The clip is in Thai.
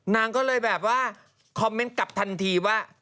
นางก็เลยแบบว่าคอมเมนต์กลับทันทีว่า